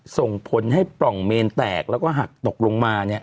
ส่งผลให้ปล่องเมนแตกแล้วก็หักตกลงมาเนี่ย